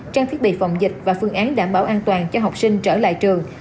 trang thiết bị phòng dịch và phương án đảm bảo an toàn cho học sinh trở lại trường